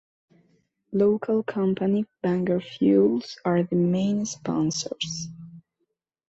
Local company Bangor Fuels are the main sponsors.